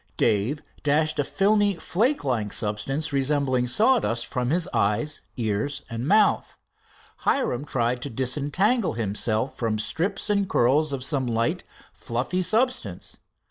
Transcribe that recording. Dave dashed a filmy, flake like substance resembling sawdust from eyes, ears and mouth. Hiram tried to disentangle himself from strips and curls of some light, fluffy substance.